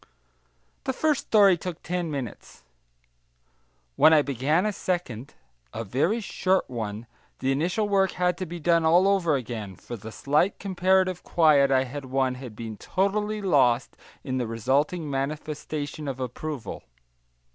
The first story took ten minutes. When I began a second, a very short one, the initial work had to be done all over again, for the slight comparative quiet I had won had been totally lost in the resulting manifestation of approval.